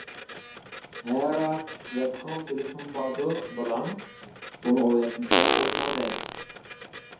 ھە راست، ياتىقىڭدا تېلېفون باردۇ، بالام؟ بۇنى ئويلاشمىساق بولمىغۇدەك.